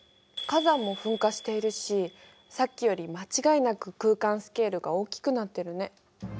火山も噴火しているしさっきより間違いなく空間スケールが大きくなってるね。